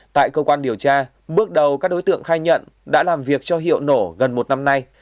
tại cơ quan điều tra bước đầu các đối tượng khai nhận đã làm việc cho hiệu nổ gần một năm nay